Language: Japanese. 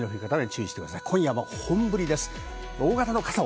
今夜も本降りです。